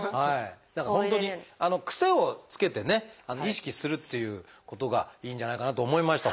だから本当に癖をつけてね意識するっていうことがいいんじゃないかなと思いました。